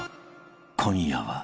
［今夜は］